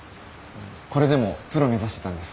これでもプロ目指してたんです。